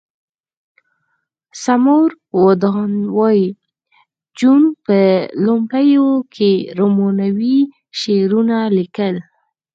سمور ودان وایی جون په لومړیو کې رومانوي شعرونه لیکل